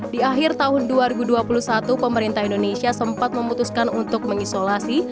di akhir tahun dua ribu dua puluh satu pemerintah indonesia sempat memutuskan untuk mengisolasi